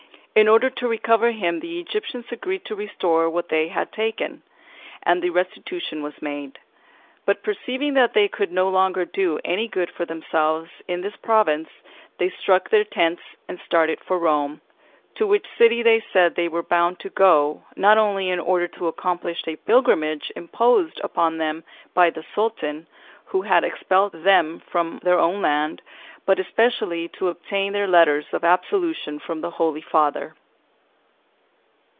In order to recover him the Egyptians agreed to restore what they had taken, and the restitution was made. But perceiving that they could no longer do any good for themselves in this province, they struck their tents and started for Rome, to which city they said they were bound to go, not only in order to accomplish a pilgrimage imposed upon them by the Sultan, who had expelled them from their own land, but especially to obtain letters of absolution from the Holy Father.